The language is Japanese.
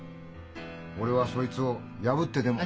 俺はそいつを破ってでも。